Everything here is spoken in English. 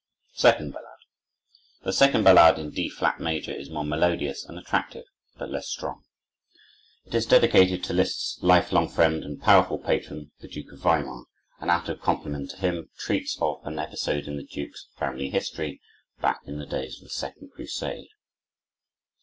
Second Ballade The second ballade, in D flat major, is more melodious and attractive, but less strong. It is dedicated to Liszt's life long friend and powerful patron, the Duke of Weimar, and, out of compliment to him, treats of an episode in the Duke's family history, back in the days of the second Crusade.